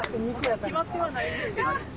決まってはないですけど。